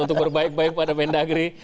untuk berbaik baik pada mendagri